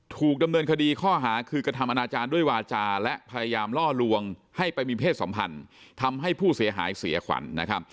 ถูกดำเนินคดีข้อหาคือกระทำอนาจารย์ด้วยวาจาและพยายามล่อลวงให้ไปมีเพศสัมพันธ์ทำให้ผู้เสียหายเสียขวัญ